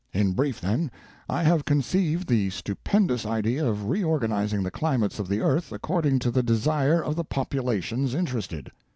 In brief, then, I have conceived the stupendous idea of reorganizing the climates of the earth according to the desire of the populations interested.